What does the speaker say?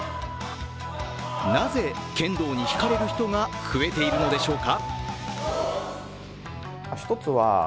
なぜ、剣道にひかれる人が増えているのでしょうか。